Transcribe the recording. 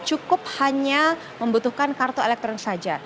cukup hanya membutuhkan kartu elektronik saja